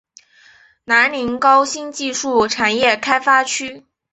南宁高新技术产业开发区